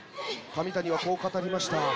上谷はこう語りました。